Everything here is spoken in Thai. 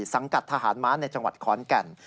สังกัดทหารม้าในจังหวัดขอนแก่น